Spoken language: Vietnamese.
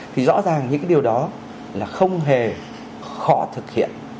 thì rõ ràng những cái điều đó là không hề khó thực hiện